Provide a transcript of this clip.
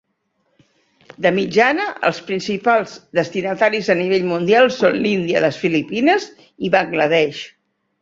De mitjana, els principals destinataris a nivell mundial són l'Índia, les Filipines i Bangladesh.